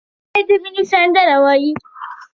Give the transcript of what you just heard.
نجلۍ د مینې سندره وایي.